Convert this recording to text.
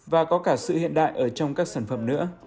và có cả sự hiện đại ở trong các sản phẩm nữa